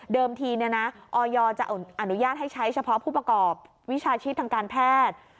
ทีออยจะอนุญาตให้ใช้เฉพาะผู้ประกอบวิชาชีพทางการแพทย์